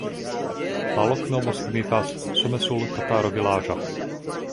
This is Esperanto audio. La loknomo signifas: Somesul-tataro-vilaĝo.